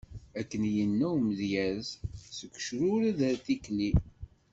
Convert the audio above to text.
Akken i yenna umedyaz: Seg ucrured ɣer tikli.